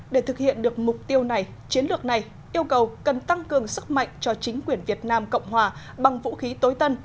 để thực hiện được mục tiêu này chiến lược này yêu cầu cần tăng cường sức mạnh cho chính quyền việt nam cộng hòa bằng vũ khí tối tân